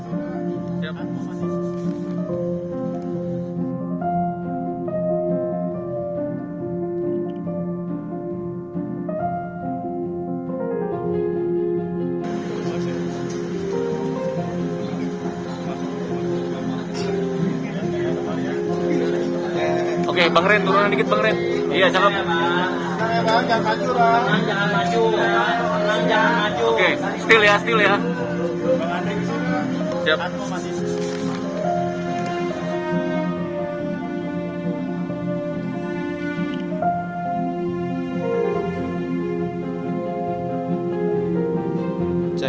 oke banggerin turunan dikit banggerin